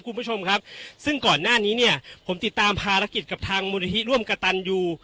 คุณผู้ชมครับซึ่งก่อนหน้านี้เนี่ยผมติดตามภารกิจกับทางมูลนิธิร่วมกระตันยู